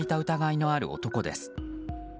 疑いのある男です。